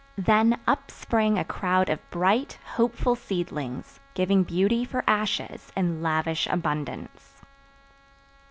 Then up spring a crowd of bright, hopeful seedlings, giving beauty for ashes in lavish abundance.